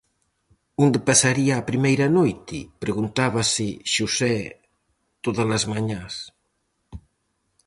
"Onde pasaría a primeira noite?", preguntábase Xosé todas as mañás.